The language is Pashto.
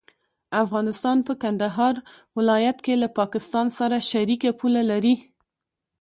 افغانستان په کندهار ولايت کې له پاکستان سره شریکه پوله لري.